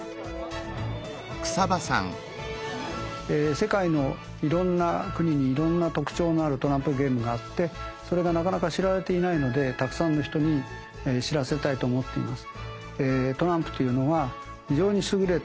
世界のいろんな国にいろんな特徴のあるトランプゲームがあってそれがなかなか知られていないのでたくさんの人に知らせたいと思っています。